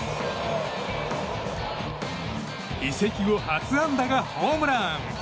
移籍後初安打がホームラン！